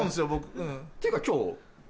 っていうか今日。